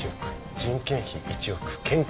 人件費１億研究